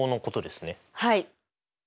はい。